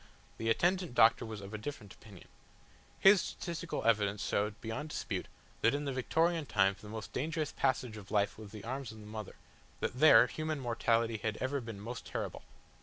The attendant doctor was of a different opinion. His statistical evidence showed beyond dispute that in the Victorian times the most dangerous passage of life was the arms of the mother, that there human mortality had ever been most terrible.